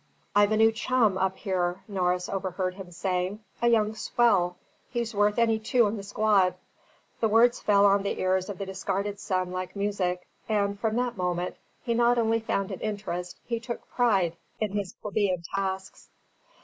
"I've a new chum, up here," Norris overheard him saying, "a young swell. He's worth any two in the squad." The words fell on the ears of the discarded son like music; and from that moment, he not only found an interest, he took a pride, in his plebeian tasks.